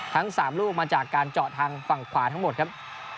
ทั้ง๓ลูกมาจากการเจาะทางฝั่งขวาทั้งหมดครับ